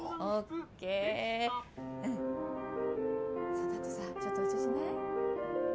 その後さちょっとお茶しない？